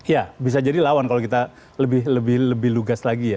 ya bisa jadi lawan kalau kita lebih lugas lagi ya